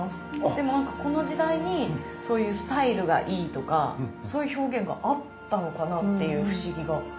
でもなんかこの時代にそういうスタイルがいいとかそういう表現があったのかなっていう不思議が。